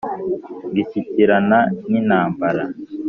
ngishyikirana n' intambara